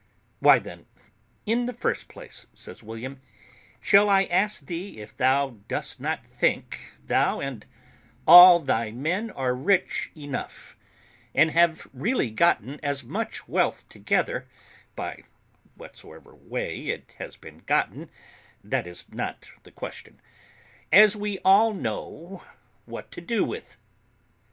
"Why, then, in the first place," says William, "shall I ask thee if thou dost not think thou and all thy men are rich enough, and have really gotten as much wealth together (by whatsoever way it has been gotten, that is not the question) as we all know what to do with?"